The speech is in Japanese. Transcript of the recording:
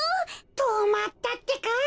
とまったってか。